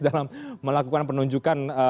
dalam melakukan penunjukan